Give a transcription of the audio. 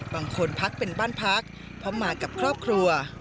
บางคนพักเป็นบ้านพักเพราะมากับครอบครัว